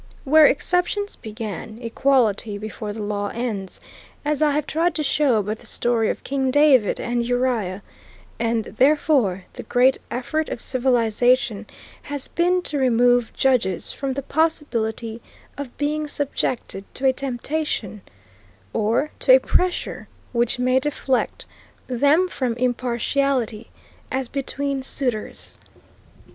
Where exceptions begin, equality before the law ends, as I have tried to show by the story of King David and Uriah, and therefore the great effort of civilization has been to remove judges from the possibility of being subjected to a temptation, or to a pressure, which may deflect them from impartiality as between suitors.